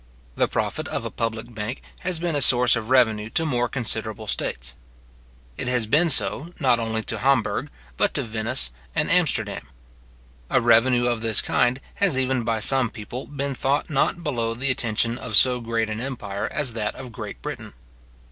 The profit of a public bank has been a source of revenue to more considerable states. It has been so, not only to Hamburgh, but to Venice and Amsterdam. A revenue of this kind has even by some people been thought not below the attention of so great an empire as that of Great Britain.